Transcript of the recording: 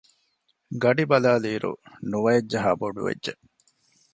ގަޑި ބަލައިލިއިރު ނުވައެއް ޖަހާ ބޮޑުވެއްޖެ